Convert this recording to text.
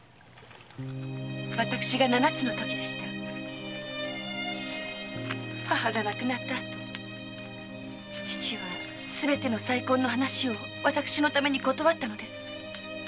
私が七つのときでした母が亡くなったあと父はすべての再婚の話を私のために断ったのです。